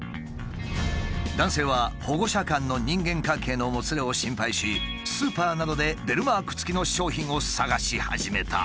男性は保護者間の人間関係のもつれを心配しスーパーなどでベルマークつきの商品を探し始めた。